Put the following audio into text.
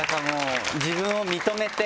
自分を認めて。